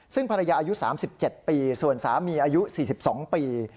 ซึ่งภรรยาอายุ๓๗ปีส่วนสามีอายุ๔๒ปี